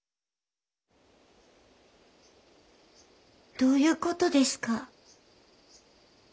どういうことですか？